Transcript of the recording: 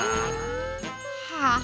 ああ。